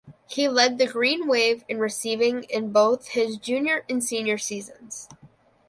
He led the Green Wave in receiving in both his junior and senior seasons.